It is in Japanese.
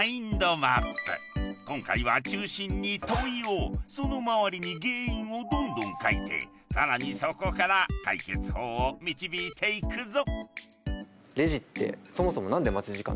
今回は中心に問いをその周りに原因をどんどん書いて更にそこから解決法を導いていくぞ！